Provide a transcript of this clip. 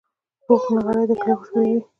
پوخ نغری د کلي خوشبويي وي